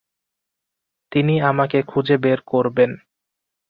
তিনি আমাকে খুঁজে বের করবেন।